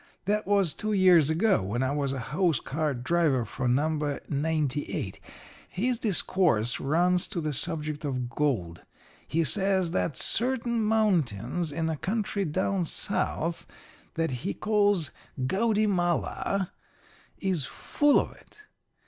That was two years ago, when I was a hose cart driver for No. 98. His discourse runs to the subject of gold. He says that certain mountains in a country down South that he calls Gaudymala is full of it.